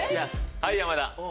はい山田。